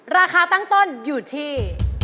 ราคาตั้งต้นอยู่ที่